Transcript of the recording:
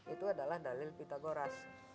itu adalah dalil pitagoras